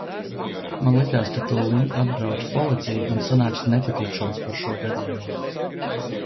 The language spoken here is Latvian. Man likās, ka tūliņ atbrauks policija un sanāks nepatikšanas par šo gadījumu.